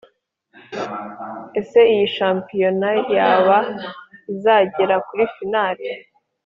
Ese iyi champiyona yabo izagera kuri finale?